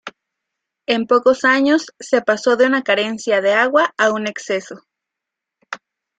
En pocos años se pasó de una carencia de agua a un exceso.